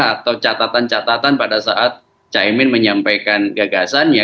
atau catatan catatan pada saat cak imin menyampaikan gagasannya